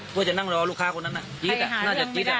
กูจะนั่งรอลูกค้าคนนั้นน่ะจี๊ดอ่ะน่าจะไปด่าตรงจี๊ดอ่ะ